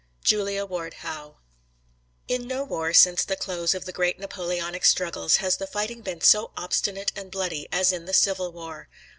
Julia Ward Howe. In no war since the close of the great Napoleonic struggles has the fighting been so obstinate and bloody as in the Civil War.